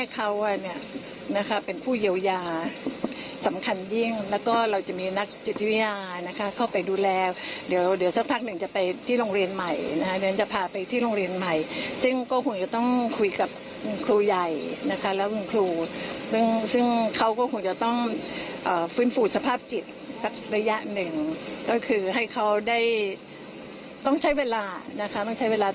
ระยะหนึ่งก็คือให้เขาได้ต้องใช้เวลา